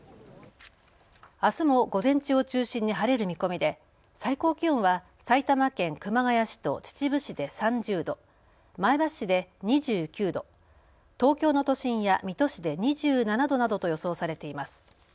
あすも午前中を中心に晴れる見込みで、最高気温は埼玉県熊谷市と秩父市で３０度、前橋市で２９度、東京の都心や水戸市で２７度などと予想されています。